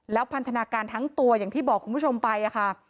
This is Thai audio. พันธนาการทั้งตัวอย่างที่บอกคุณผู้ชมไปค่ะ